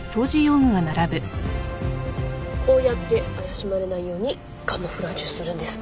こうやって怪しまれないようにカムフラージュするんです。